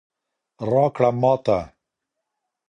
راکړه ماته